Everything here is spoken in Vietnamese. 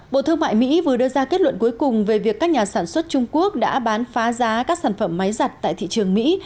bộ thương mại mỹ vừa đưa ra kết luận cuối cùng về việc các nhà sản xuất trung quốc đã bán phá giá các sản phẩm máy giặt tại thị trường mỹ